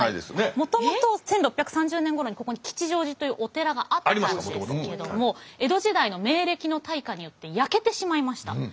もともと１６３０年ごろにここに吉祥寺というお寺があったんですけども江戸時代の明暦の大火によって焼けてしまいました。